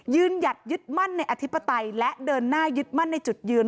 หยัดยึดมั่นในอธิปไตยและเดินหน้ายึดมั่นในจุดยืน